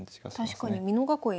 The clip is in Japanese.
確かに美濃囲い